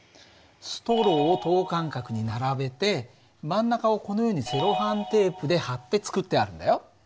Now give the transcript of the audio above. ストローを等間隔に並べて真ん中をこのようにセロハンテープで貼って作ってあるんだよ。